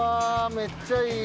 めっちゃいい。